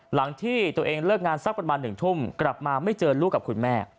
หลังที่ตัวเองเลิกงานสักประมาณ๑ทุ่มกลับมาไม่เจอลูกกับคุณแม่